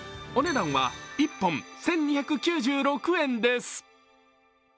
お値段は１本１２９６円です。